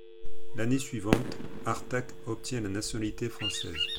L’année suivante, Artak obtient la nationalité française.